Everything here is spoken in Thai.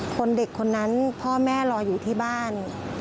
คนเด็กคนนั้นพ่อแม่รออยู่ที่บ้าน